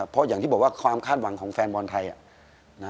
เพราะอย่างที่บอกว่าความคาดหวังของแฟนบอลไทย